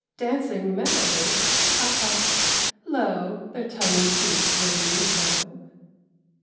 Dancing merrily, ha ! ha ! ha ! Lo, their tiny feet raising so